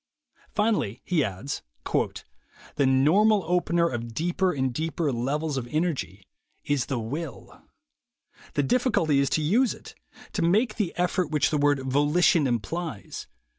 Finally he adds: "The normal opener of deeper and deeper levels of energy is the will. The diffi culty is to use it, to make the effort which the THE WAY TO WILL POWER 143 word 'volition' implies.